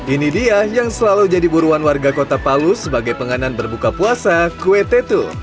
ini dia yang selalu jadi buruan warga kota palu sebagai penganan berbuka puasa kue tetu